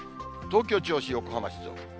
東京、銚子、横浜、静岡。